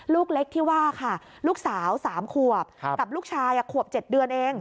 ลูกเล็กที่ว่าค่ะลูกสาว๓ขวบกับลูกชายขวบ๗เดือนเอง